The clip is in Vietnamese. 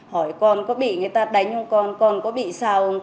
hỏi con có bị người ta đánh không con con có bị sao không con